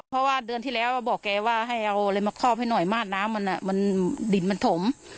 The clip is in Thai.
เพราะว่าเดือนที่แล้วบอกแกว่าให้เอาอะไรมาคอบให้หน่อยมาดน้ำมันมันดินมันถม